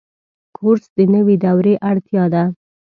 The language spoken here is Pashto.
کورس د نوي دورې اړتیا ده.